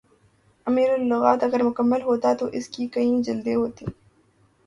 امیر اللغات اگر مکمل ہوتا تو اس کی کئی جلدیں ہوتیں